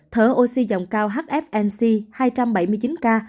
thở oxy dòng cao hfnc hai trăm bảy mươi chín ca